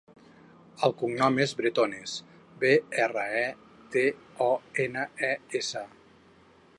El cognom és Bretones: be, erra, e, te, o, ena, e, essa.